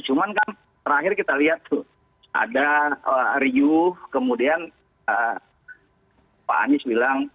cuman kan terakhir kita lihat tuh ada riuh kemudian pak anies bilang